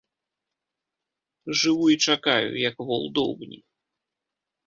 Жыву і чакаю, як вол доўбні.